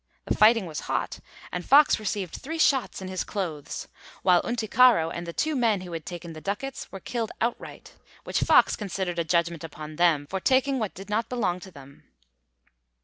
The fighting was hot, and Fox received three shots in his clothes, while Unticaro and the two men who had taken the ducats were killed outright, which Fox considered a judgment upon them, for taking what did not belong to them.